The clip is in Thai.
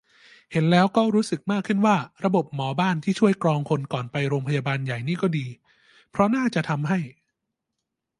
เห็นแล้วก็รู้สึกมากขึ้นว่า ระบบหมอบ้านที่ช่วยกรองคนก่อนไปโรงพยาบาลใหญ่นี่ก็ดี เพราะน่าจะทำให้